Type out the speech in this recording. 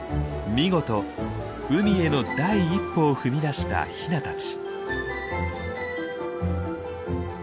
見事海への第一歩を踏み出したヒナたち。